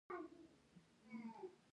دا ډېر سپين سترګی کس دی